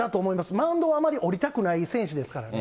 マウンドはあまり降りたくない選手ですから。